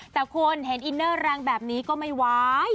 แต่คุณเห็นอินเนอร์แรงแบบนี้ก็ไม่ไหว